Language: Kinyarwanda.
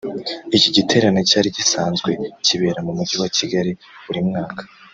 Iki giterane cyari gisazwe kibera mu Mujyi wa Kigali buri mwaka